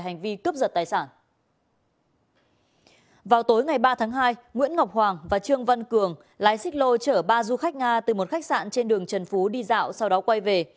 nguyễn ngọc hoàng và trương văn cường lái xích lô chở ba du khách nga từ một khách sạn trên đường trần phú đi dạo sau đó quay về